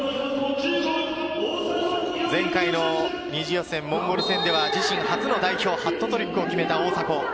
前回の２次予選、モンゴル戦では自身初の代表、ハットトリックを決めた大迫。